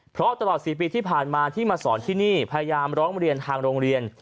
เพราะตลอด๔ปีที่ผ่านมาที่มาสอนที่นี่พยายามร้องเรียนทางโรงเรียน